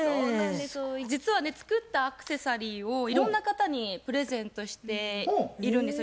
実はね作ったアクセサリーをいろんな方にプレゼントしているんですよ。